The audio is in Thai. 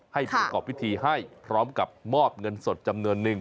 ประกอบพิธีให้พร้อมกับมอบเงินสดจำนวนนึง